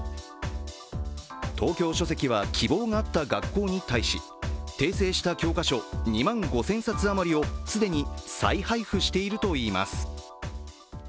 東京書籍は希望があった学校に対し、訂正した教科書２万５０００冊余りを既に再配布しているといいます。